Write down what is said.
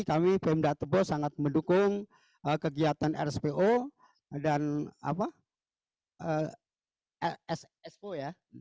kami pm databos sangat mendukung kegiatan rspo dan sfo ya